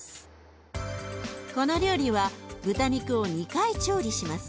この料理は豚肉を２回調理します。